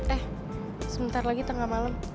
eh sebentar lagi tengah malam